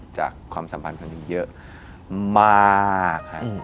จากความสัมพันธ์คนนี้เยอะมาก